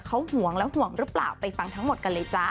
เขาห่วงและห่วงหรือเปล่าไปฟังทั้งหมดกันเลยจ๊ะ